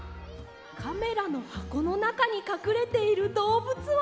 カメラのはこのなかにかくれているどうぶつは。